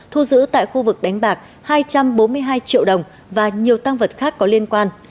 thu giữ tại khu vực đánh bạc hai trăm bốn mươi hai triệu đồng và nhiều tăng vật khác có liên quan